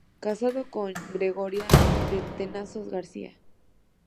Casado con Gregoria de Tezanos García.